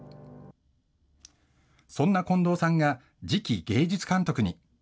そんな近藤さんが、次期芸術監督に。